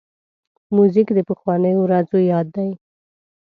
موزیک د پخوانیو ورځو یاد دی.